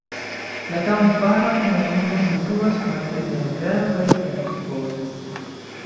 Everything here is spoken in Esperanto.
La kampara komunumo situas flanke de la gravaj trafikvojoj.